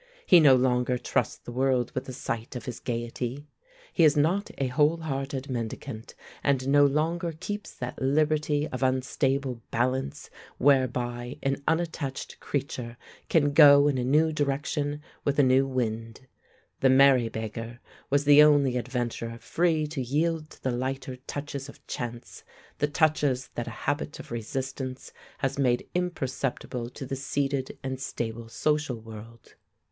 He no longer trusts the world with a sight of his gaiety. He is not a wholehearted mendicant, and no longer keeps that liberty of unstable balance whereby an unattached creature can go in a new direction with a new wind. The merry beggar was the only adventurer free to yield to the lighter touches of chance, the touches that a habit of resistance has made imperceptible to the seated and stable social world.